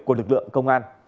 của lực lượng công an